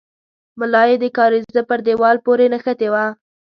ملا يې د کارېزه پر دېوال پورې نښتې وه.